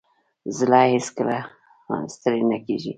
زړه هیڅکله ستړی نه کېږي.